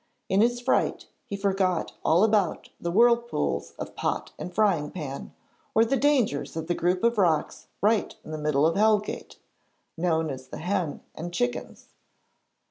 In his fright he forgot all about the whirlpools of Pot and Frying Pan, or the dangers of the group of rocks right in the middle of Hellgate, known as the Hen and Chickens.